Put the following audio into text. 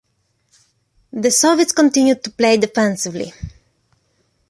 The Soviets continued to play defensively.